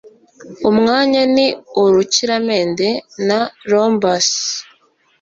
Umwanya ni urukiramende na rombus.